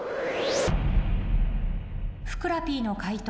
ふくらＰの解答